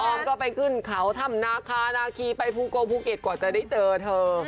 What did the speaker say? อมก็ไปขึ้นเขาถ้ำนาคานาคีไปภูกงภูเก็ตกว่าจะได้เจอเธอ